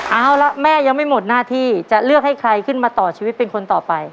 เอาละแม่ยังไม่หมดหน้าที่จะเลือกให้ใครขึ้นมาต่อชีวิตเป็นคนต่อไป